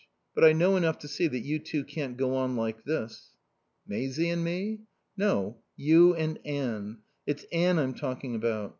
But I know enough to see that you two can't go on like this." "Maisie and me?" "No. You and Anne. It's Anne I'm talking about.